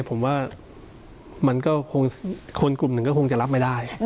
ผมว่าคนกลุ่มหนึ่งก็คงจะรับไม่ได้